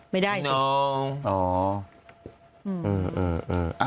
ไม่ได้ค่ะ